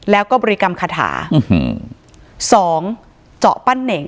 แล้วก็บริกรรมคาถาอือหือสองเจาะปั้นเหน็ง